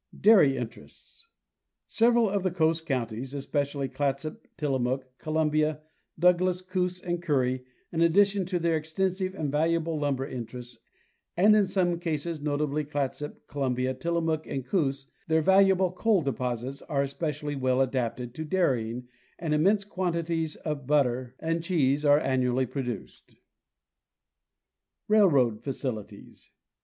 Dairy Interests. Several of the coast counties, especially Clatsop, Tillamook, Columbia, Douglass, Coos and Curry, in addition to their exten sive and valuable lumber interests, and in some cases, notably Clatsop, Columbia, Tillamook and Coos, their valuable coal de posits, are especially well adapted to dairying, and immense quantities of butter and cheese are annually produced. Railroad Facilities.